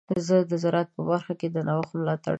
زه د زراعت په برخه کې د نوښت ملاتړ کوم.